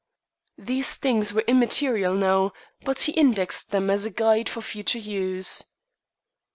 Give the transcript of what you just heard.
These things were immaterial now, but he indexed them as a guide for future use.